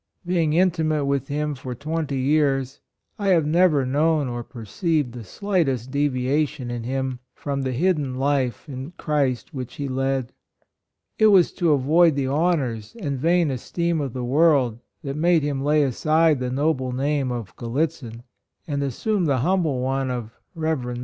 Being intimate with him for twenty years, I have never known or perceived the slightest deviation in him, from the hidden life in Christ which he led. It was to avoid the honors and vain esteem of the world that made him lay aside the noble name of Gallitzin and assume the humble one of Rev. Mr.